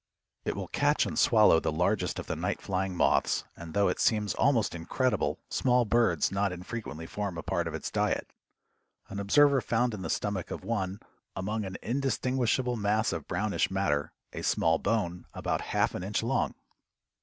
It will catch and swallow the largest of the night flying moths, and though it seems almost incredible small birds not infrequently form a part of its diet. An observer found in the stomach of one "among an indistinguishable mass of brownish matter, a small bone, about half an inch long."